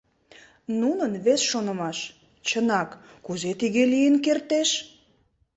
Нунын вес шонымаш: «Чынак, кузе тыге лийын кертеш?